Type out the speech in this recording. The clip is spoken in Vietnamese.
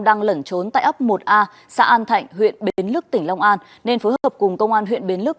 đang lẩn trốn tại ấp một a xã an thạnh huyện bến lức tỉnh long an nên phối hợp cùng công an huyện bến lứ